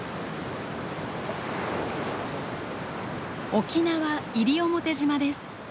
沖縄西表島です。